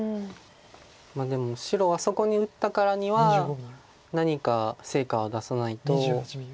でも白はそこに打ったからには何か成果を出さないと。